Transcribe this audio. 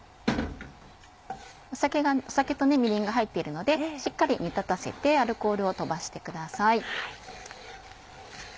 酒とみりんが入っているのでしっかり煮立たせてアルコールを飛ばしてください。